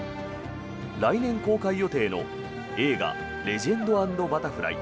来年公開予定の映画「レジェンド＆バタフライ」。